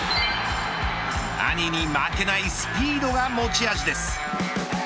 兄に負けないスピードが持ち味です。